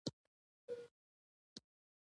په کور کي کار کوي.